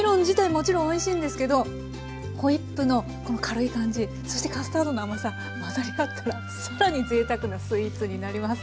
もちろんおいしいんですけどホイップのこの軽い感じそしてカスタードの甘さ混ざり合ったら更にぜいたくなスイーツになります。